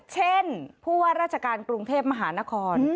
เช่นผู้ว่าราชการกรุงเทพมหานคร